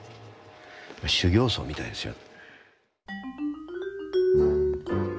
修行僧みたいですよ。